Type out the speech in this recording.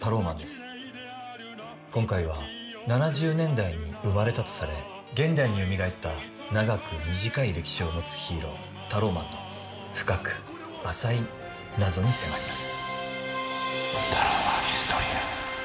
今回は７０年代に生まれたとされ現代によみがえった長く短い歴史を持つヒーロータローマンの深く浅い謎に迫ります。